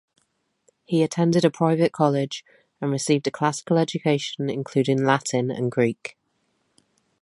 He attended a private college and received a classical education including Latin and Greek.